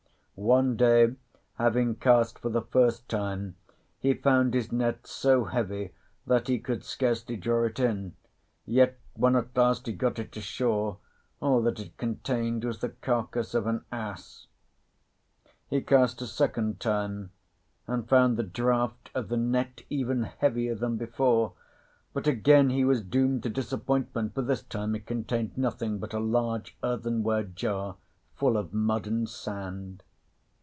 One day, having cast for the first time, he found his net so heavy that he could scarcely draw it in; yet when at last he got it to shore all that it contained was the carcase of an ass. He cast a second time, and found the draught of the net even heavier than before. But again he was doomed to disappointment, for this time it contained nothing but a large earthenware jar full of mud and sand.